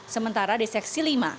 sementara di seksi lima